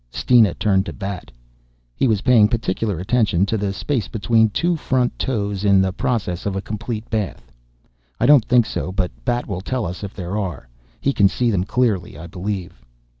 Steena turned to Bat. He was paying particular attention to the space between two front toes in the process of a complete bath. "I don't think so. But Bat will tell us if there are. He can see them clearly, I believe."